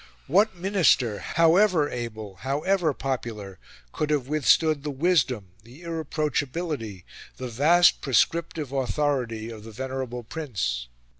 What Minister, however able, however popular, could have withstood the wisdom, the irreproachability, the vast prescriptive authority, of the venerable Prince?